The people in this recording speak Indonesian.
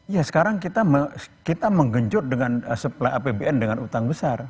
ya sekarang kita menggenjut dengan supply apbn dengan utang besar